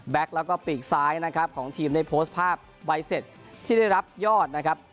แล้วก็ปีกซ้ายนะครับของทีมได้โพสต์ภาพใบเสร็จที่ได้รับยอดนะครับ